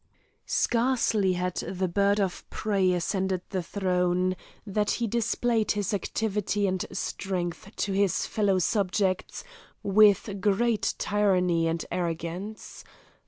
Scarcely had the bird of prey ascended the throne, than he displayed his activity and strength to his fellow subjects with great tyranny and arrogance.